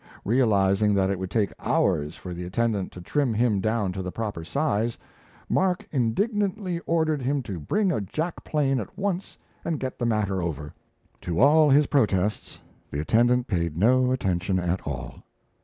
Realizing that it would take hours for the attendant to trim him down to the proper size, Mark indignantly ordered him to bring a jackplane at once and get the matter over. To all his protests the attendant paid no attention at all.